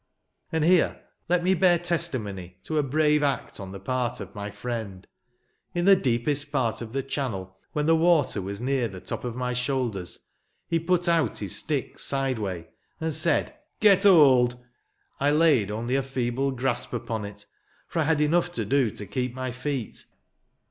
And here let me bear testimony to a brave act on the part of my friend. In the deepest part of the channel, when the water was near the top of my shoulders, he put out his stick sideway, and said, " Gret hold! " I laid only a feeble grasp upon it, for I had enough to do to keep my feet.